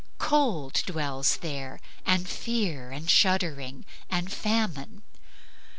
Cold dwells there, and Fear and Shuddering, and Famine.